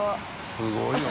すごいよな。